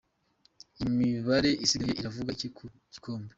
Imibare isigaye iravuga iki ku gikombe?.